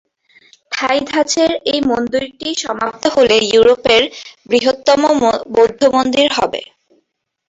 থাই ধাঁচের এই মন্দিরটি সমাপ্ত হলে ইউরোপের বৃহত্তম বৌদ্ধ মন্দির হবে।